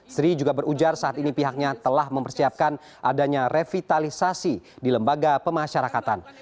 sri juga berujar saat ini pihaknya telah mempersiapkan adanya revitalisasi di lembaga pemasyarakatan